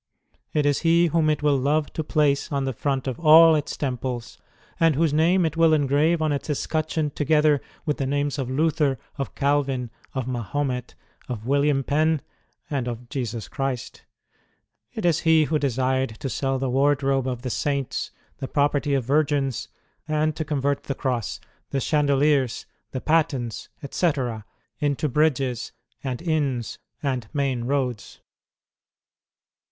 It is he whom it will love to place on the front of all its temples, and whose name it will engrave on its escutcheon together with the names of Luther, of Calvin, of Mahomet, of William Penn, and of Jesus Christ ! It is he who desired to sell the wardrobe of the saints, the property of virgins, and to convert the cross, the chandeliers, the patens, &c., into bridges and inns and main roads."